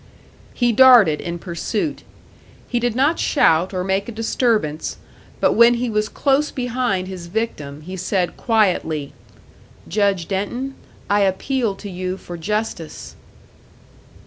He darted in pursuit. He did not shout or make a disturbance; but when he was close behind his victim, he said, quietly, "Judge Denton, I appeal to you for justice!"